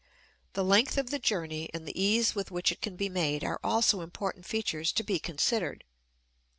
The length of the journey and the ease with which it can be made are also important features to be considered.